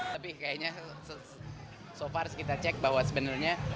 tapi kayaknya so fars kita cek bahwa sebenarnya